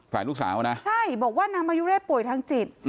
ลูกสาวนะใช่บอกว่านางมายุเรศป่วยทางจิต